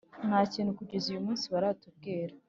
Nta kintu kugeza uyu munsi baratubwira